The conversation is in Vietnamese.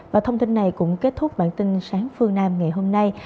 và thông tin này cũng kết thúc bản tin sáng phương nam ngày hôm nay